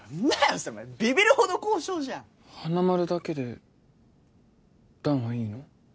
それビビるほど高尚じゃん花丸だけで弾はいいの？